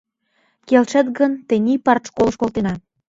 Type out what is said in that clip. Келшет гын, тений партшколыш колтена.